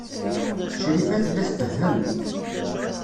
Crifa tella tfehhem.